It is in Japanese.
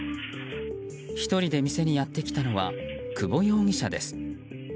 １人で店にやってきたのは久保容疑者です。